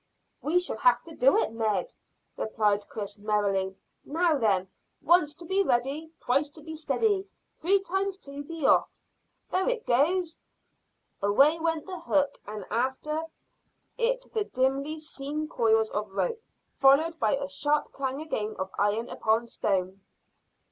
"We shall have to do it, Ned," replied Chris merrily. "Now then, once to be ready, twice to be steady, three times to be off: there it goes." Away went the hook, and after it the dimly seen coils of rope, followed by a sharp clang again of iron upon stone.